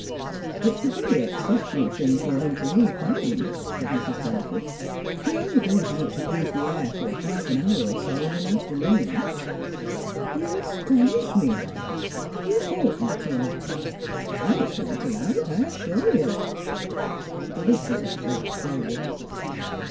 "It's a very exceptional thing for him to leave home," said Mrs. Hannaford. "He only goes out to breathe the air for half an hour or so in an afternoon." "You astonish me, aunt! You oughtn't to allow it I shan't allow it, I assure you." The listeners laughed gaily.